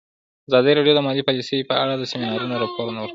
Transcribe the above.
ازادي راډیو د مالي پالیسي په اړه د سیمینارونو راپورونه ورکړي.